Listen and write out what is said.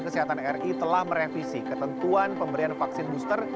kesehatan ri telah merevisi ketentuan pemberian vaksin booster